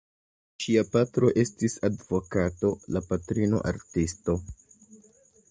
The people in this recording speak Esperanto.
Ŝia patro estis advokato, la patrino artisto.